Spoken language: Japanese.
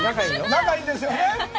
仲いいんですよね。